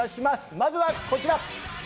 まずはこちら。